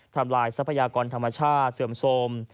ทำลายทรัพยากรธรรมชาติเสื่อมโทรม